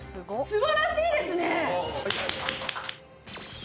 すばらしいですね